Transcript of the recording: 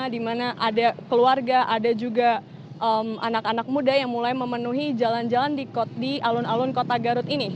di mana ada keluarga ada juga anak anak muda yang mulai memenuhi jalan jalan di alun alun kota garut ini